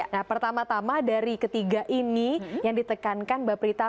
nah pertama tama dari ketiga ini yang ditekankan mbak prita